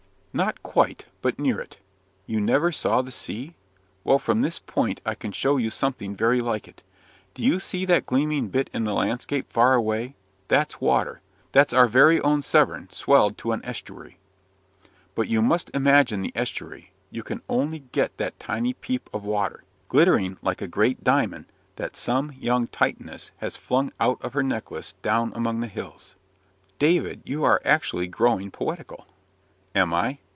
"Not quite, but near it. You never saw the sea? Well, from this point I can show you something very like it. Do you see that gleaming bit in the landscape far away? That's water that's our very own Severn, swelled to an estuary. But you must imagine the estuary you can only get that tiny peep of water, glittering like a great diamond that some young Titaness has flung out of her necklace down among the hills." "David, you are actually growing poetical." "Am I?